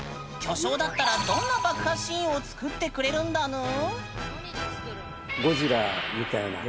巨匠だったらどんな爆破シーンを作ってくれるんだぬん？